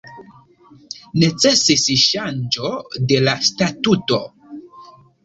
Necesis ŝanĝo de la statuto.